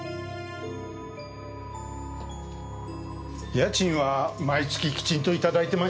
家賃は毎月きちんといただいてました。